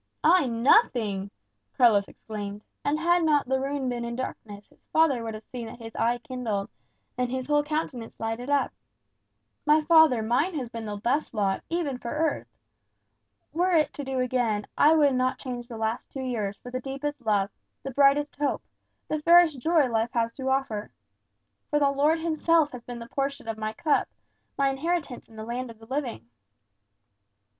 "I nothing!" Carlos exclaimed; and had not the room been in darkness his father would have seen that his eye kindled, and his whole countenance lighted up. "My father, mine has been the best lot, even for earth. Were it to do again, I would not change the last two years for the deepest love, the brightest hope, the fairest joy life has to offer. For the Lord himself has been the portion of my cup, my inheritance in the land of the living."